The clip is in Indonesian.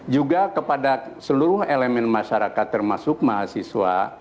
juga kepada seluruh elemen masyarakat termasuk mahasiswa